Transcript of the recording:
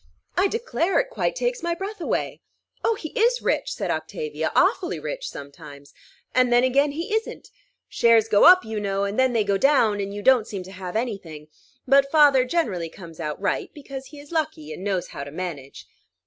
I declare, it quite takes my breath away." "Oh! he is rich," said Octavia; "awfully rich sometimes. And then again he isn't. Shares go up, you know; and then they go down, and you don't seem to have any thing. But father generally comes out right, because he is lucky, and knows how to manage."